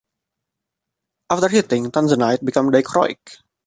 After heating, tanzanite becomes dichroic.